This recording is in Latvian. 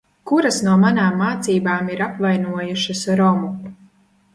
Kuras no manām mācībām ir apvainojušas Romu?